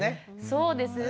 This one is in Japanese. そうですね。